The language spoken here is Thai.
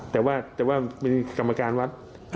แต่ว่ามีกรรมการวัด